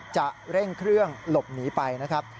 จะเร่งเครื่องหลบหนีไปนะครับ